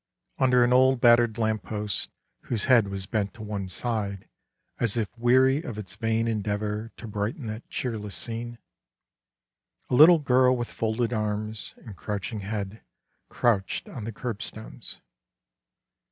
Under an old battered lamp post whose head was bent to one side as if weary of its vain endeavor to brighten that cheerless scene, a little girl with folded arms and crouching head crouched on the curbstones.